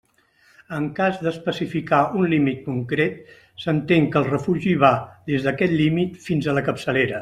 En cas d'especificar un límit concret, s'entén que el refugi va des d'aquest límit fins a la capçalera.